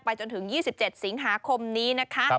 จนถึง๒๗สิงหาคมนี้นะคะ